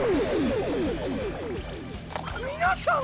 皆さん！